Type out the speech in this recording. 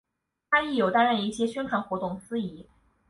她亦有担任一些宣传活动司仪。